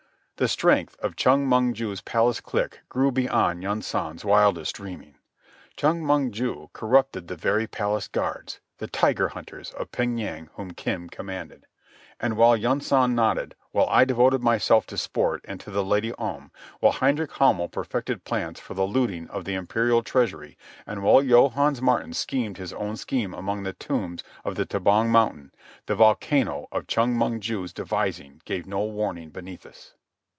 The strength of Chong Mong ju's palace clique grew beyond Yunsan's wildest dreaming. Chong Mong ju corrupted the very palace guards, the Tiger Hunters of Pyeng Yang whom Kim commanded. And while Yunsan nodded, while I devoted myself to sport and to the Lady Om, while Hendrik Hamel perfected plans for the looting of the Imperial treasury, and while Johannes Maartens schemed his own scheme among the tombs of Tabong Mountain, the volcano of Chong Mong ju's devising gave no warning beneath us.